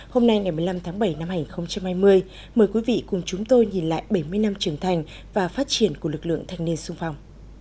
hôm nay ngày một mươi năm tháng bảy năm hai nghìn hai mươi mời quý vị cùng chúng tôi nhìn lại bảy mươi năm trưởng thành và phát triển của lực lượng thanh niên sung phong